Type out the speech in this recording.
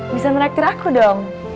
bisa merakit aku dong